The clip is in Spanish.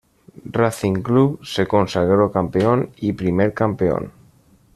Racing Club se consagró campeón y primer campeón.